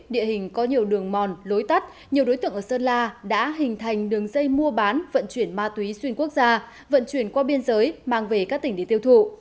địa hình có nhiều đường mòn lối tắt nhiều đối tượng ở sơn la đã hình thành đường dây mua bán vận chuyển ma túy xuyên quốc gia vận chuyển qua biên giới mang về các tỉnh để tiêu thụ